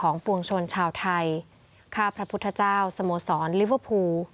น้อมกล้าวน้อมกระหม่อม